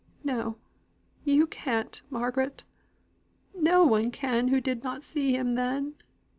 "No, you can't, Margaret. No one can who did not see him then.